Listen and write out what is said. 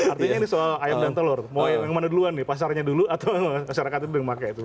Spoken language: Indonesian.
artinya ini soal air dan telur mau yang mana duluan nih pasarnya dulu atau masyarakat itu udah memakai itu